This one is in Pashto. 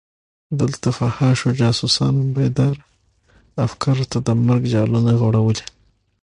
دلته فحاشو جاسوسانو بېداره افکارو ته د مرګ جالونه غوړولي.